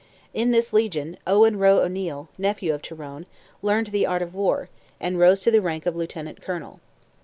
In this legion, Owen Roe O'Neil, nephew of Tyrone, learned the art of war, and rose to the rank of Lieutenant Colonel.